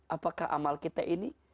apakah amal kita ini